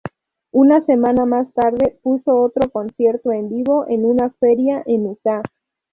Una semana más tarde, puso otro concierto en vivo en una feria en Utah.